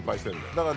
だから。